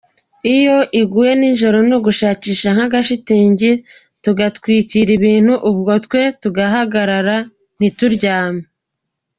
Iyo iguye nijoro ni ugushakisha nk’agashitingi, tugatwikira ibintu, ubwo twe tugahagarara ntituryame.